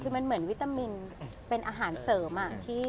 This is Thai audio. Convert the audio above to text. คือมันเหมือนวิตามินเป็นอาหารเสริม